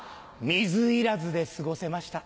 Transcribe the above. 水入らずで過ごせました。